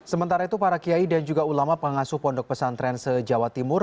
sementara itu para kiai dan juga ulama pengasuh pondok pesantren se jawa timur